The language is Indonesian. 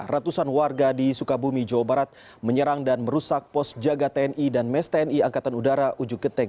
ratusan warga di sukabumi jawa barat menyerang dan merusak pos jaga tni dan mes tni angkatan udara ujung genteng